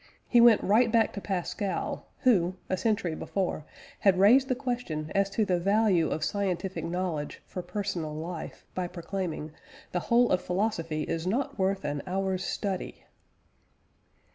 He went right back to Pascal, who, a century before, had raised the question as to the value of scientific knowledge for personal life, by proclaiming "The whole of philosophy is not worth an hour's study."